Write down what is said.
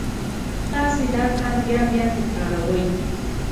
تاسې دا کار بیا بیا تکراروئ